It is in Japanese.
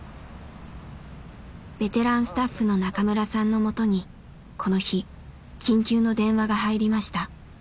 ベテランスタッフの中村さんのもとにこの日緊急の電話が入りました。